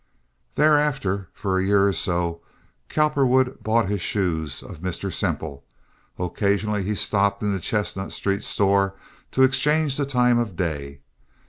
Thereafter, for a year or so, Cowperwood bought his shoes of Mr. Semple. Occasionally also he stopped in the Chestnut Street store to exchange the time of the day.